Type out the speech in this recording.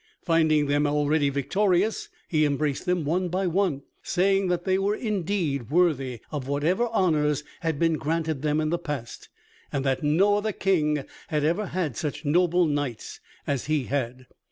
Finding them already victorious, he embraced them one by one, saying that they were indeed worthy of whatever honors had been granted them in the past, and that no other king had ever had such noble knights as he had.